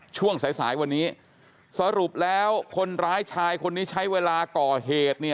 ช่วงสายสายวันนี้สรุปแล้วคนร้ายชายคนนี้ใช้เวลาก่อเหตุ